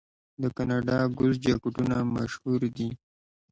د کاناډا ګوز جاکټونه مشهور دي.